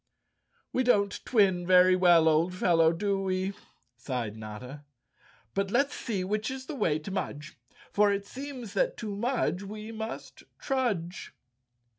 "We don't twin very well, old fellow, do we?" sighed Notta. "But let's see which is the way to Mudge, for it seems that to Mudge we must trudge."